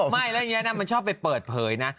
ไม่แล้วอย่างนี้นะมันชอบไปเปิดเผยนะ